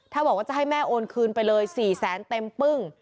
ถ้าบอกว่าจะให้แม่โอนคืนไปเลย๔แสนเต็มปึ้ง